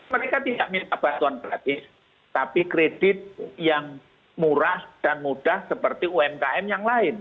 mereka tidak minta bantuan gratis tapi kredit yang murah dan mudah seperti umkm yang lain